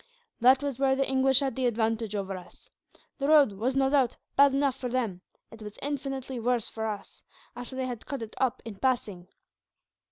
"That was where the English had the advantage over us. The road was, no doubt, bad enough for them; it was infinitely worse for us, after they had cut it up in passing.